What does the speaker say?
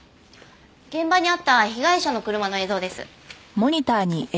現場にあった被害者の車の映像です。